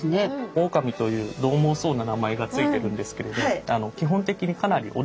オオカミというどう猛そうな名前が付いてるんですけれどああそうなんですね。